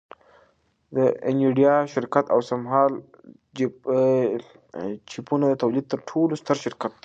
د انویډیا شرکت اوسمهال د چیپونو د تولید تر ټولو ستر شرکت دی